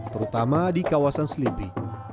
terutama di kawasan selipi